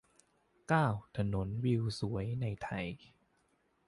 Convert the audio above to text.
เก้า ถนนวิวสวยในไทย